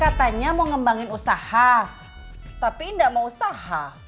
katanya mau ngembangin usaha tapi nggak mau usaha